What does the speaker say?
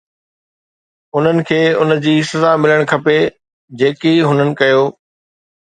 انهن کي ان جي سزا ملڻ گهرجي جيڪي هنن ڪيو.